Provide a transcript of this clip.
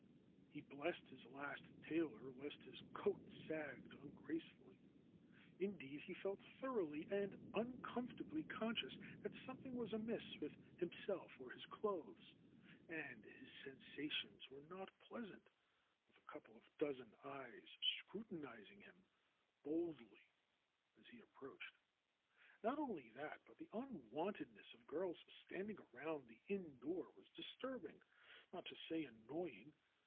He blessed his last tailor lest his coat sagged ungracefully. Indeed, he felt thoroughly and uncomfortably conscious that something was amiss with himself or his clothes. And his sensations were not pleasant with a couple of dozen eyes scrutinizing him boldly as he approached. Not only that, but the unwontedness of girls standing around the inn door was disturbing, not to say annoying.